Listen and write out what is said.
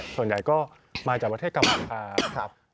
ส่วนใหญ่ก็มาจากประเทศกรรมภาพ